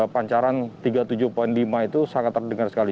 pancaran tiga puluh tujuh lima itu sangat terdengar sekali